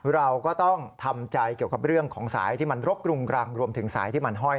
เราก็ต้องทำใจเกี่ยวกับเรื่องของสายที่มันรกรุงรังรวมถึงสายที่มันห้อย